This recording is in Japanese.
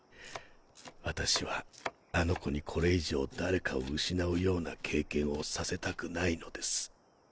私はあの子にこれ以上誰かを失うような経験をさせたくないのです。